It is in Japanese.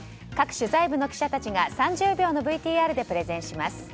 各取材部の記者たちが３０秒のＶＴＲでプレゼンします。